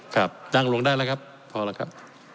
ครับจ้างลงได้แล้วครับพอแล้วครับ